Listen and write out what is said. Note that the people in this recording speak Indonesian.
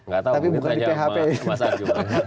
gak tahu mungkin saja mas arif